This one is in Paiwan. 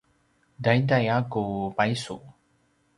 taiday a ku paisu